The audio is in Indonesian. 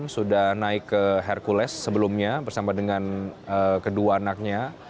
sudah naik ke hercules sebelumnya bersama dengan kedua anaknya